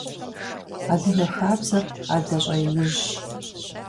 Адыгэ хабзэр адэ щӀэиныжьщ.